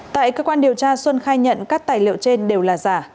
tại cơ quan điều tra xuân khai nhận các tài liệu trên đều là giả